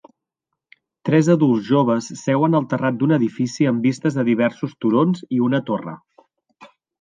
Tres adults joves seuen al terrat d'un edifici amb vistes a diversos turons i una torre